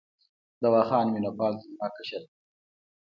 دوا خان مینه پال تر ما کشر دی.